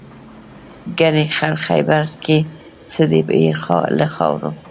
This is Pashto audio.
ګنې خړ خیبر کې څه دي بې له خاورو.